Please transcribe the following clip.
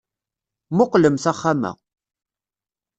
Mmuqqlemt axxam-a.